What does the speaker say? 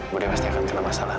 mudah pasti akan kena masalah